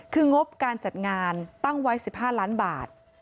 คืองบการจัดงานตั้งไว้๑๕ล้านบาท